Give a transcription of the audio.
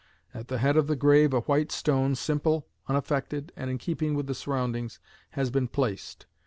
At the head of the grave a white stone, simple, unaffected, and in keeping with the surroundings, has been placed.